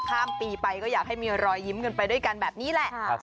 ข้ามปีไปก็อยากให้มีรอยยิ้มกันไปด้วยกันแบบนี้แหละ